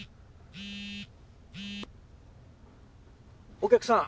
・お客さん